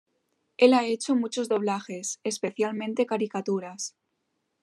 Él ha hecho muchos doblajes, especialmente caricaturas.